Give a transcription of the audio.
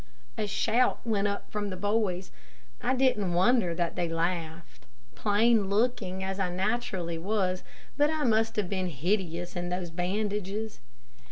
A shout went up from the boys. I didn't wonder that they laughed. Plain looking I naturally was; but I must have been hideous in those bandages.